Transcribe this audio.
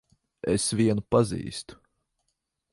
Es vienu pazīstu.